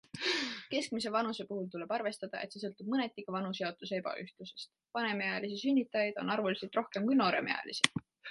Keskmise vanuse puhul tuleb arvestada, et see sõltub mõneti ka vanusjaotuse ebaühtlusest - vanemaealisi sünnitajaid on arvuliselt rohkem kui nooremaealisi.